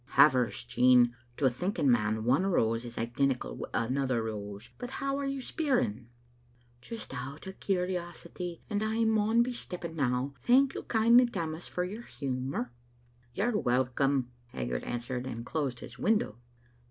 "Havers, Jean. To a thinking man one rose is identical wi' another rose. But how are you speiring?" "Just out o' curiosity, and I maun be stepping now. Thank you kindly, Tammas, for your humour." "You're welcome," Haggart answered, and closed his window.